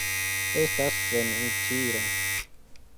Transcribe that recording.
Estas senutile.